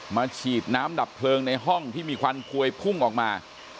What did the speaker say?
ฉีดน้ำดับเพลิงในห้องที่มีควันพวยพุ่งออกมา